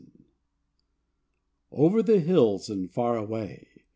O ver the hills and far away!"